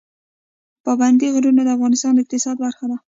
پابندی غرونه د افغانستان د اقتصاد برخه ده.